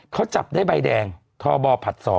เขาจับได้ใบแดงทบผัด๒